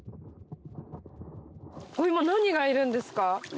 何がいるんですか？